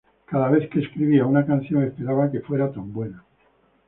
Cada vez que escribía una canción, esperaba que fuera tan buena.